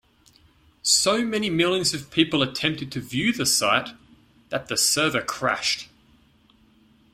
So many millions of people attempted to view the site that the server crashed.